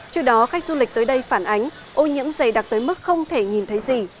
trước đó khách du lịch tới đây phản ánh ô nhiễm dày đặc tới mức không thể nhìn thấy gì